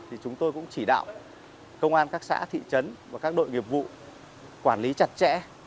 thì chúng tôi cũng chỉ đạo công an các xã thị trấn và các đội nghiệp vụ quản lý chặt chẽ